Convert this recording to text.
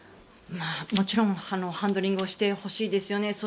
もちろんハンドリングをしてほしいですよね。